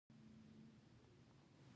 ځغاسته د روغ رمټ وجود شرط دی